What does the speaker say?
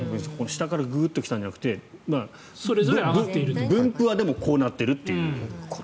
下からグッと来たんじゃなくて分布はこうなっていると。